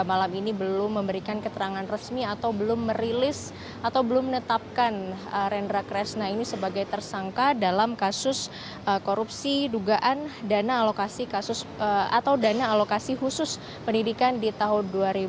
bupati malang ini belum memberikan keterangan resmi atau belum merilis atau belum menetapkan rendra kresna ini sebagai tersangka dalam kasus korupsi dugaan dana alokasi khusus pendidikan di tahun dua ribu sebelas